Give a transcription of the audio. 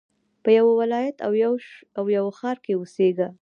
په يوه ولايت او يوه ښار کښي اوسېږه!